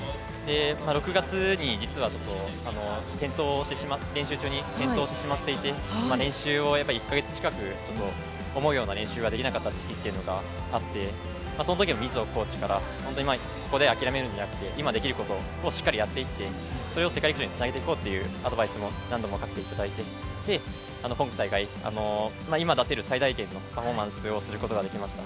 ６月に実は練習中に転倒してしまっていて、練習を１か月近く思うような練習ができなかった日というのがあって、そのときにコーチからここで諦めるんじゃなくて今できることをしっかりやっていって、それを世界陸上につなげていこうというアドバイスも何度もかけていただいて、今大会、今出せる最大限のパフォーマンスをすることができました。